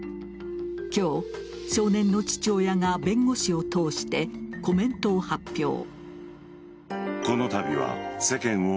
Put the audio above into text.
今日、少年の父親が弁護士を通してコメントを発表。